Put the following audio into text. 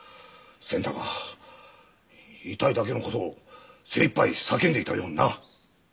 仙太が言いたいだけのことを精いっぱい叫んでいたようにな。